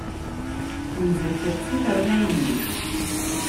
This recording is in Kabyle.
Temzel tixsi, terna yelli-s.